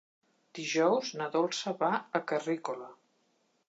Dijous na Dolça va a Carrícola.